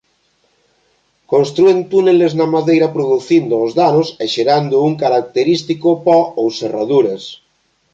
Constrúen túneles na madeira producindo os danos e xerando un característico po ou serraduras.